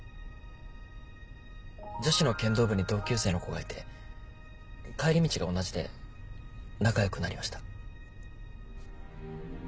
女子の剣道部に同級生の子がいて帰り道が同じで仲良くなりました。